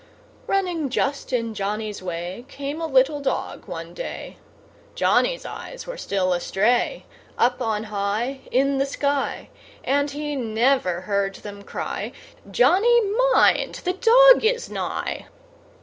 Running just in Johnny's way Came a little dog one day; Johnny's eyes were still astray Up on high, In the sky; And he never heard them cry "Johnny, mind, the dog is nigh!"